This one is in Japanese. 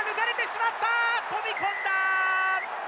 飛び込んだ！